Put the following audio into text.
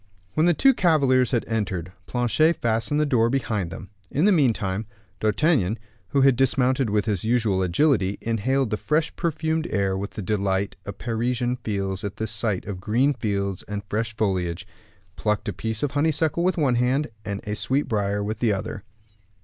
When the two cavaliers had entered, Planchet fastened the door behind them. In the meantime, D'Artagnan, who had dismounted with his usual agility, inhaled the fresh perfumed air with the delight a Parisian feels at the sight of green fields and fresh foliage, plucked a piece of honeysuckle with one hand, and of sweet briar with the other.